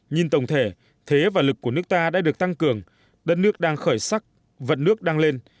nhìn tổng thể thế và lực của nước ta đã được tăng cường đất nước đang khởi sắc vận nước đang lên